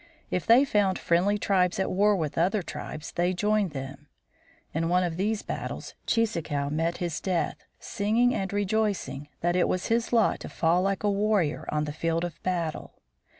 If they found friendly tribes at war with other tribes they joined them. In one of these battles Cheeseekau met his death, singing and rejoicing that it was his lot to fall like a warrior on the field of battle.